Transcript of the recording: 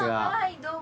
どうも。